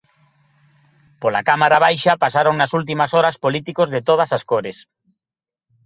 Pola cámara baixa pasaron nas últimas horas políticos de todas as cores.